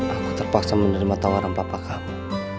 aku terpaksa menerima tawaran papa kamu